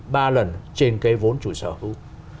ba lần trên cái vốn chủ sở hữu